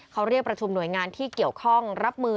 เขาเรียกประชุมหน่วยงานที่เกี่ยวข้องรับมือ